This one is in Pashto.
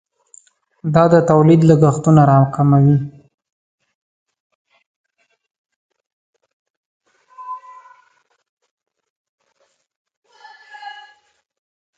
دا د تولید لګښتونه راکموي.